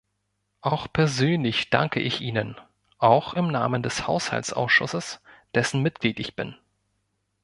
Auch persönlich danke ich Ihnen, auch im Namen des Haushaltsausschusses, dessen Mitglied ich bin.